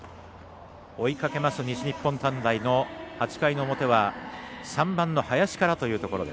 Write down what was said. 追いかけます西日本短大の８回の表は、３番の林から。